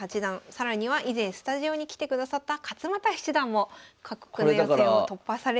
更には以前スタジオに来てくださった勝又七段もこの予選を突破されております。